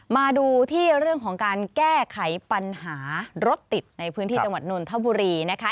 มาดูที่เรื่องของการแก้ไขปัญหารถติดในพื้นที่จังหวัดนนทบุรีนะคะ